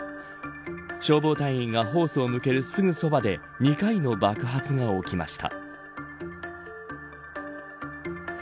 消防隊員がホースを向けるすぐそばで２回の爆発が起きました。